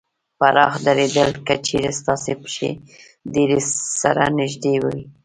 پراخ درېدل : که چېرې ستاسې پښې ډېرې سره نږدې وي